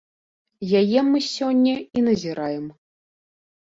Яе мы сёння і назіраем.